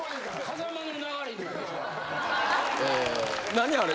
何あれ？